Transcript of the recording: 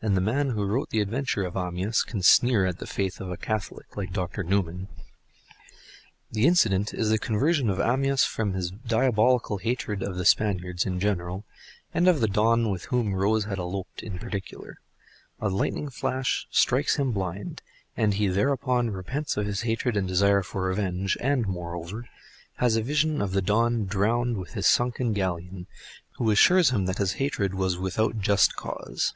And the man who wrote the adventure of Amyas can sneer at the faith of a Catholic like Dr. Newman! The other incident is the conversion of Amyas from his diabolical hatred of the Spaniards in general, and of the Don with whom Rose had eloped in particular. A lightning flash strikes him blind, and he thereupon repents him of his hatred and desire of revenge, and, moreover, has a vision of the Don drowned with his sunken galleon, who assures him that his hatred was without just cause.